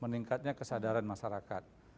meningkatnya kesadaran masyarakat